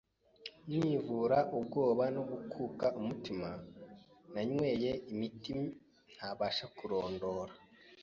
nivura ubwoba no gukuka umutima. Nanyweye imiti ntabasha kurondora,